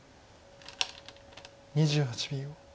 ２８秒。